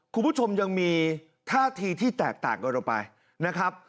คุณผู้ชมยังมีท่าทีที่แตกต่างกันออกไปนะครับ